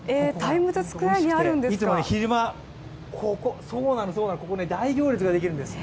いつも昼間、ここ、大行列ができるんです。